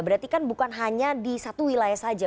berarti kan bukan hanya di satu wilayah saja